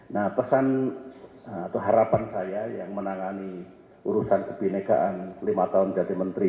nah pesan atau harapan saya yang menangani urusan kebinekaan lima tahun jadi menteri